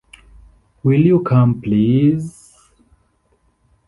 Will you come, please?